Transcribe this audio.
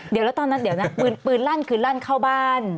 เดี๋ยวแล้วตอนนั้นเดี๋ยวนะปืนลั่นคือลั่นเข้าบ้าน